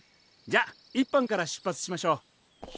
じゃあ１班から出発しましょう。